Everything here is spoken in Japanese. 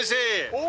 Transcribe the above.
お！